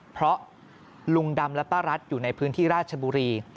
เพราะลุงดำและป้ารัฐอยู่ในพื้นที่ราชบุรี